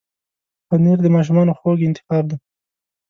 پنېر د ماشومانو خوږ انتخاب دی.